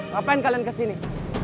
ngapain kalian kesini